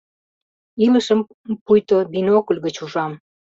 Илышым пуйто бинокль гыч ужам.